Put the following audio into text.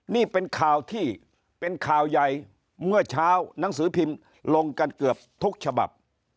นี่เป็นข่าวที่เป็นข่าวใหญ่เมื่อเช้าหนังสือพิมพ์ลงกันเกือบทุกฉบับ